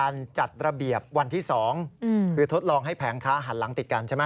จัดระเบียบวันที่๒คือทดลองให้แผงค้าหันหลังติดกันใช่ไหม